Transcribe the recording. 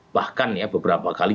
bahkan beberapa kali